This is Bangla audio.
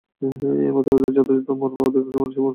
এই মতবাদের যথার্থ মর্ম কিন্তু অধিকাংশ মানুষই বোঝে না।